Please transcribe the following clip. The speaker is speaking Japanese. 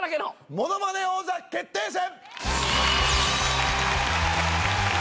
ものまね王座決定戦！